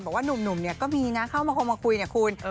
บอกว่านุ่มก็มีนะเข้ามาคุยนะคุณ